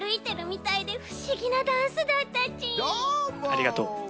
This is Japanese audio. ありがとう。